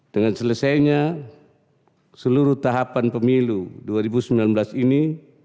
dengan selesainya seluruh tahapan pemilu dua ribu sembilan belas ini